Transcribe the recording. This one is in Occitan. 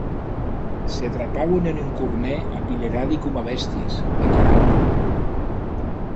Se trapauen en un cornèr apileradi coma bèsties e carauen.